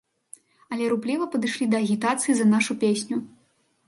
Але рупліва падышлі да агітацыі за нашу песню.